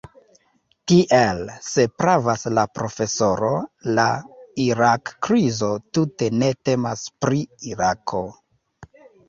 Tiel, se pravas la profesoro, la Irak-krizo tute ne temas pri Irako.